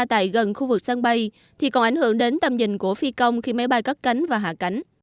tại gần khu vực sân bay thì còn ảnh hưởng đến tầm nhìn của phi công khi máy bay cất cánh và hạ cánh